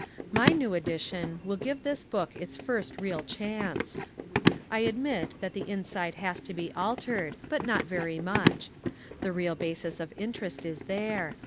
My new edition will give this book its first real chance. I admit that the inside has to be altered, but not very much. The real basis of interest is there.